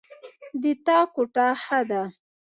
د تا کوټه ښه ده